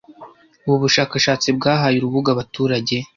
Ubu bushakashatsi bwahaye urubuga abaturage